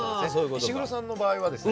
石黒さんの場合はですね